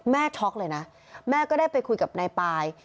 ช็อกเลยนะแม่ก็ได้ไปคุยกับนายปาย